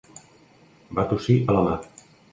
Va tossir a la mà.